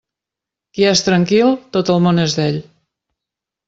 Qui és tranquil, tot el món és d'ell.